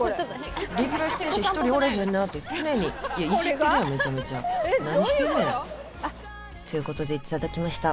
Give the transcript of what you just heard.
レギュラー出演者１人おれへんなって常にいじってるやんメチャメチャ何してんねんということでいただきました